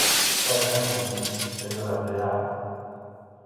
Xa está entendido, señor Andreade.